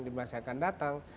di masa akan datang